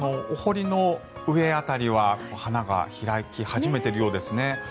お堀の上辺りは花が開き始めているようですね。